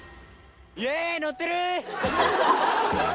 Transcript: イエーイ、乗ってる？